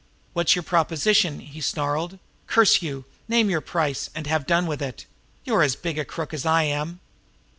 "What's your proposition?" he snarled. "Curse you, name your price, and have done with it! You're as big a crook as I am!"